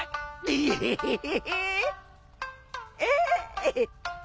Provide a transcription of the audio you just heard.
エヘヘヘ。